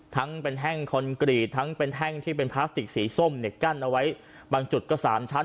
ทั้งเป็นแท่งคอนกรีตทั้งเป็นแท่งที่เป็นพลาสติกสีส้มเนี่ยกั้นเอาไว้บางจุดก็สามชั้น